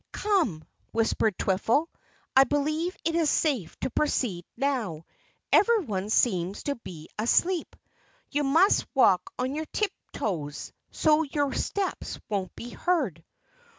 "Come," whispered Twiffle, "I believe it is safe to proceed now. Everyone seems to be asleep. You must walk on your tip toes, so your steps won't be heard."